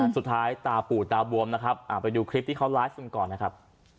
สุดท้ายตาปูดตาบวมนะครับไปดูคลิปที่เขาไลฟ์กันก่อนนะครับ